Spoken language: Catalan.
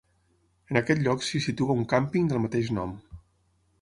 En aquest lloc s'hi situa un càmping del mateix nom.